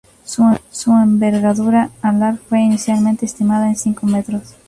Su envergadura alar fue inicialmente estimada en cinco metros.